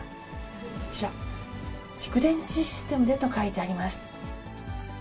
こちら、蓄電池システムでと書いてあります。